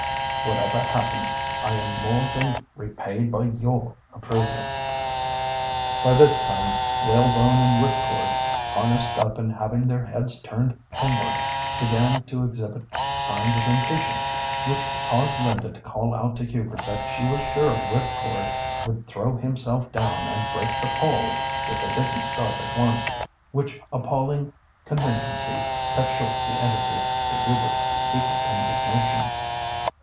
"Whatever happens, I am more than repaid by your approval." By this time Whalebone and Whipcord, harnessed up and having their heads turned homeward, began to exhibit signs of impatience, which caused Linda to call out to Hubert that she was sure Whipcord would throw himself down and break the pole if they didn't start at once, which appalling contingency cut short the interview, to Hubert's secret indignation.